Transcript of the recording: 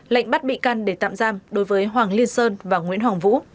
lệnh bắt bị can để tạm giam đối với hoàng liên sơn và nguyễn hoàng vũ